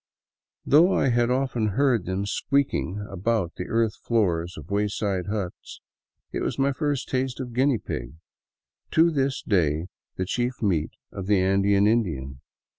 Though I had often heard them squeaking about the earth floors of wayside huts, it was my first taste of guinea pig, to this day the chief meat of the Andean Indian.